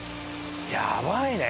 やばいね！